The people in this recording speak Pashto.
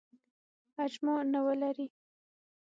اجماع نه ولري.